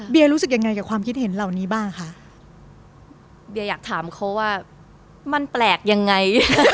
รู้สึกยังไงกับความคิดเห็นเหล่านี้บ้างคะเบียอยากถามเขาว่ามันแปลกยังไง